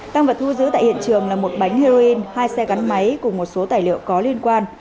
tăng vật thu giữ tại hiện trường là một bánh heroin hai xe gắn máy cùng một số tài liệu có liên quan